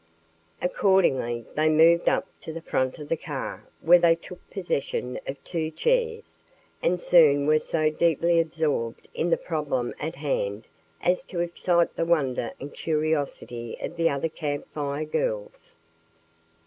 Accordingly they moved up to the front of the car where they took possession of two chairs and soon were so deeply absorbed in the problem at hand as to excite the wonder and curiosity of the other Camp Fire Girls.